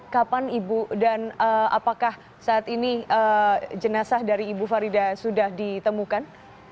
kapan ibu dan apakah saat ini jenazah dari ibu farida sudah ditemukan